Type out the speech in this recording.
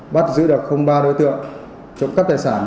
bắt giữ đặc không ba đối tượng trộm cắp tài sản